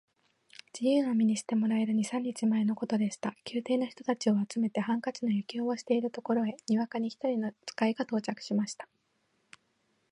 自由の身にしてもらえる二三日前のことでした。宮廷の人たちを集めて、ハンカチの余興をしているところへ、にわかに一人の使が到着しました。